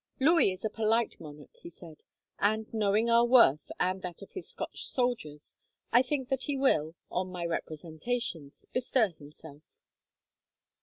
"Louis is a politic monarch," he said, "and, knowing our worth and that of his Scotch soldiers, I think that he will, on my representations, bestir himself.